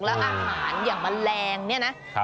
แล้วอาหารอย่างแมลงเนี่ยนะ